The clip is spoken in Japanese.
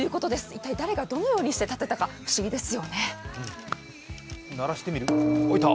一体誰がどのようにして建てたか不思議ですよね。